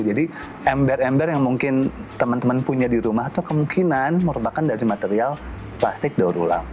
jadi ember ember yang mungkin teman teman punya di rumah itu kemungkinan merupakan dari material plastik daun ulang